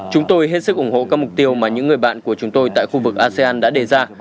chúng tôi hết sức ủng hộ các mục tiêu mà những người bạn của chúng tôi tại khu vực asean đã đề ra